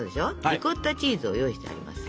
リコッタチーズを用意してあります。